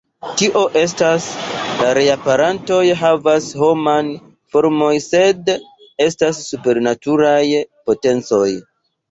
Tio estas, la reaperantoj havas homan formon sed estas supernaturaj potencoj.